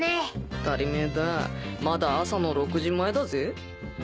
ったりめだまだ朝の６時前だぜ